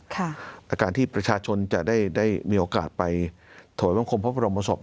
แต่การที่ประชาชนจะได้มีโอกาสไปถวายบังคมพระบรมศพ